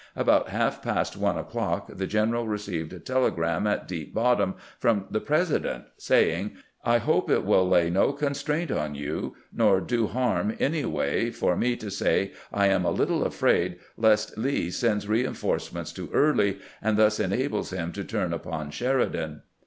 About half past one o'clock the general received a telegram at Deep Bottom from the President, saying :" I hope it will lay no con straint on you, nor do harm any way, for me to say I am a little afraid lest Lee sends reinforcemehts to Early, and thus enables him to turn upon Sheridan."